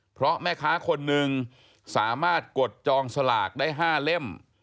เพราะแม่ค้าคนหนึ่งสามารถกดจองสลากได้๕เล่ม